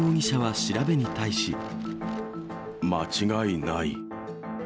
間違いない。